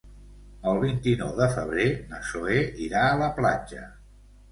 El vint-i-nou de febrer na Zoè irà a la platja.